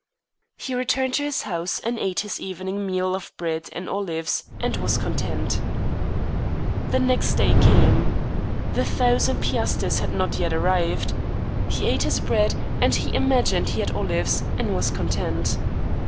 He returned to his house and ate his evening meal of bread and olives, and was content. The next day came. The thousand piasters had not yet arrived. He ate his bread, he imagined he had olives, and was content.